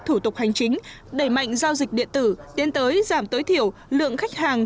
thủ tục hành chính đẩy mạnh giao dịch điện tử tiến tới giảm tối thiểu lượng khách hàng